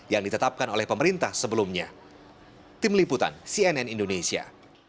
yang ditetapkan oleh pemerintah sebelumnya